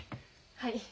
はい。